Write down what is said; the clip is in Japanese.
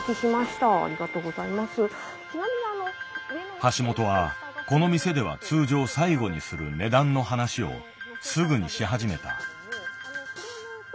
橋本はこの店では通常最後にする値段の話をすぐにし始めた。